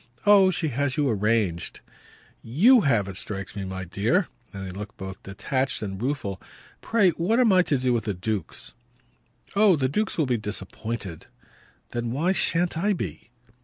Oh she has you arranged!" "YOU have, it strikes me, my dear" and he looked both detached and rueful. "Pray what am I to do with the dukes?" "Oh the dukes will be disappointed!" "Then why shan't I be?"